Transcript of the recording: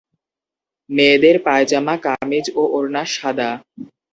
মেয়েদের পায়জামা, কামিজ ও ওড়না সাদা।